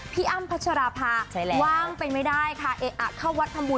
พี่อ้ำพัชราพาใช่แล้วว่างเป็นไม่ได้ค่ะเออะเข้าวัดทำบุญ